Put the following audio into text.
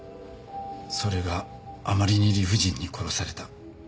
それがあまりに理不尽に殺された。